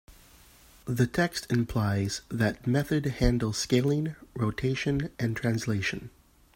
The text implies that method handles scaling, rotation, and translation.